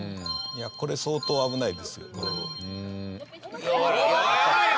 いやこれ相当危ないですよこれ。